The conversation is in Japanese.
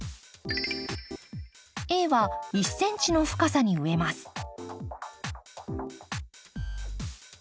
Ａは１ｃｍの深さに植えます